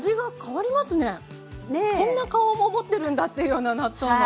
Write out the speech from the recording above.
こんな顔も持ってるんだっていうような納豆の。